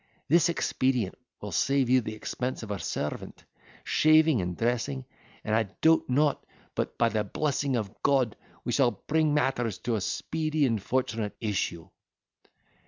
This expedient will save you the expense of a servant, shaving, and dressing; and I doubt not but, by the blessing of God, we shall bring matters to a speedy and fortunate issue."